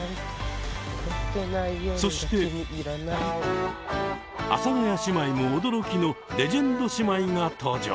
そして阿佐ヶ谷姉妹も驚きのレジェンド姉妹が登場。